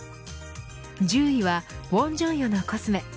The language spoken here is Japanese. １０位はウォンジョンヨのコスメ。